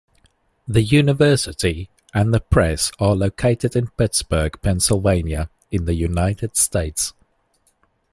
The university and the press are located in Pittsburgh, Pennsylvania, in the United States.